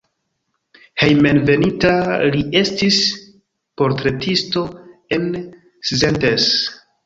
Hejmenveninta li estis portretisto en Szentes.